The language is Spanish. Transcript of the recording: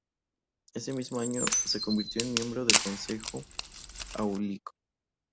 Ese mismo año, se convirtió en miembro del Consejo Áulico.